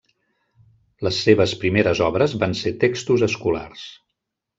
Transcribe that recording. Les seves primeres obres van ser textos escolars.